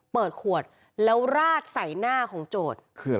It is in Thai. เปิดขวดแล้วราดใส่หน้าของโจทย์